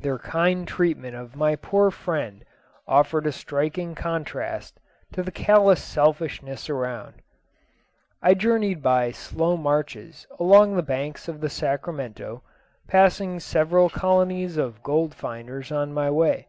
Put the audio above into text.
Their kind treatment of my poor friend offered a striking contrast to the callous selfishness around. I journeyed by slow marches along the banks of the Sacramento, passing several colonies of gold finders on my way.